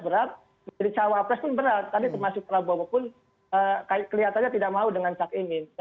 berat menjadi cawapres pun berat tadi termasuk prabowo pun kelihatannya tidak mau dengan cak imin